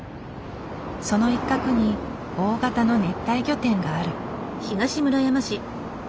その一角に大型の熱帯魚店がある。